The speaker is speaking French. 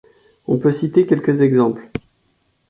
On peut citer quelques exemples.